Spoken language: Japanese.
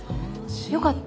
よかった？